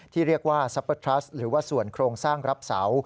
ที่เรียกว่าซัปเปอร์ทรัสหรือว่าส่วนโครงสร้างรับเสา